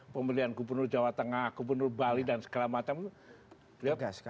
pemilihan gubernur jawa tengah gubernur bali dan segala macam beliau